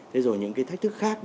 thế rồi những thách thức khác